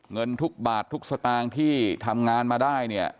เงินทุกบาททุกสตางค์ที่ทำงานมาได้เนี่ย